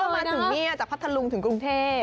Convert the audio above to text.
มาถึงเนี่ยจากพัทธลุงถึงกรุงเทพ